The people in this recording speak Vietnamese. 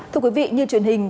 thưa quý vị như truyền hình